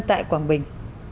tại quảng bình